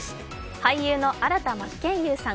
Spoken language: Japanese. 俳優の新田真剣佑さん